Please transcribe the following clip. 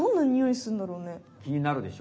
きになるでしょ？